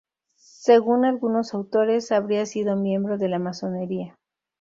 Según algunos autores, habría sido miembro de la masonería.